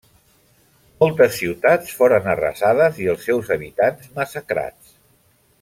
Moltes ciutats foren arrasades i els seus habitants massacrats.